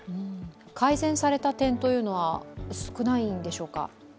改善された点というのは少ないんでしょうか？